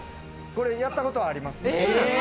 これやったことあります。